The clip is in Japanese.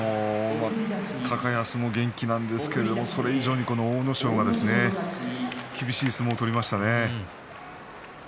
高安も元気なんですけどそれ以上に阿武咲が厳しい相撲を取りましたね。